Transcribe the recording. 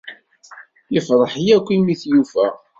Ifṛeḥ yakk imi i t-yufa.